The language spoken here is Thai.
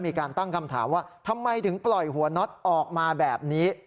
มีการตั้งคำถามว่าทำไมถึงปล่อยหัวน็อตออกมาแบบนี้